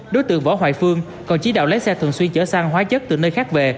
đối tượng võ hoài phương còn chỉ đạo lái xe thường xuyên chở xăng hóa chất từ nơi khác về